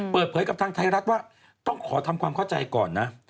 เปิดเผยกับทางไทยรัฐว่าต้องขอทำความเข้าใจก่อนนะ